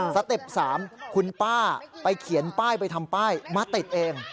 เต็ป๓คุณป้าไปเขียนป้ายไปทำป้ายมาติดเอง